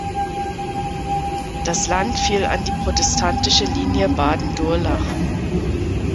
Das Land fiel an die protestantische Linie Baden-Durlach.